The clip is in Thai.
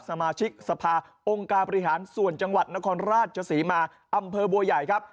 สมาชิกสภาองค์การบริหารส่วนจังหวัดนครราชศรีมาอำเภอบัวใหญ่ครับ